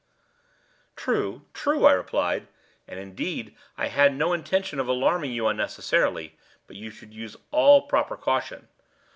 "True—true," I replied; "and, indeed, I had no intention of alarming you unnecessarily—but you should use all proper caution.